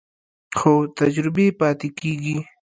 خو تجربې پاتې کېږي.